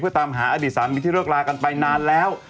เพื่อตามหาอดีตสามีที่เลิกลากันไปนานแล้ว